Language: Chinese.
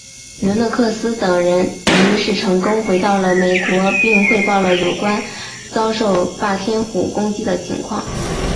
伦诺克斯等人于是成功回到了美国并汇报了有关遭受霸天虎攻击的情况。